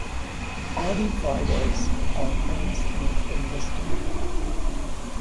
Aadi Fridays are famous in this temple.